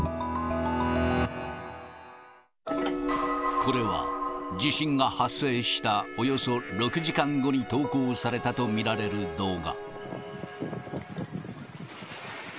これは地震が発生したおよそ６時間後に投稿されたと見られる動画。